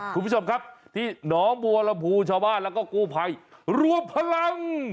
คุณผู้ชมครับที่หนองบัวลำพูชาวบ้านแล้วก็กู้ภัยรวมพลัง